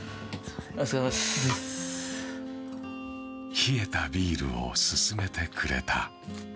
冷えたビールを勧めてくれた。